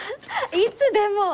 いつでも！